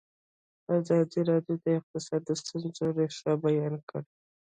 ازادي راډیو د اقتصاد د ستونزو رېښه بیان کړې.